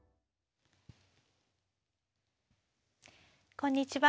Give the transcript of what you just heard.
こんにちは。